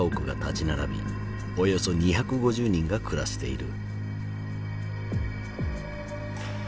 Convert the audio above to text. およそ２５０人が暮らしている。